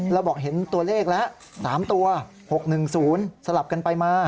เราบอกเห็นตัวเลขละ๓ตัว๖หนึ่ง๐สลับไปมา